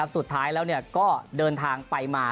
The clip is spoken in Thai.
สุดท้ายแล้วก็เดินทางไปมา